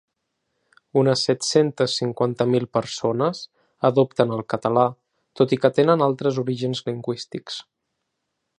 Unes set-cents cinquanta mil persones adopten el català tot i que tenen altres orígens lingüístics.